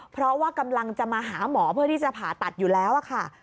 เพราะว่ากำลังจะมาหาหมอเพื่อที่จะผ่าตัดอยู่แล้วค่ะ